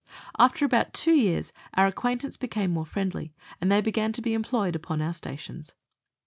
After about two years our acquaintance became more friendly, and they began to be employed upon our stations.